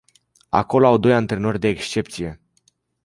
Acolo au doi antrenori de excepție.